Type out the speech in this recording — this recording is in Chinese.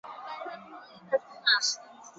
以研究深层地震闻名。